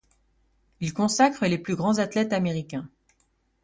Il consacre les plus grands athlètes américains.